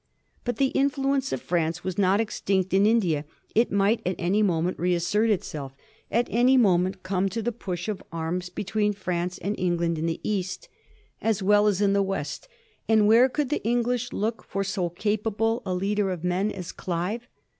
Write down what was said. But the influence of France was not extinct in India; it might at any moment reassert itself — at any moment come to the push of arms between France and England in the East as well as in the West ; and where could the English look for so capable a leader of men as Olive